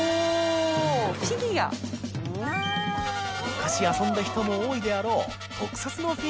秬遊んだ人も多いであろう磴